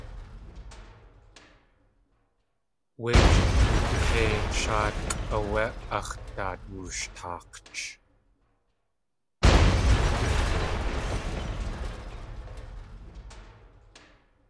Wé jiduk̲éi shaatkʼ áwé ax̲ daat woostaak̲ch.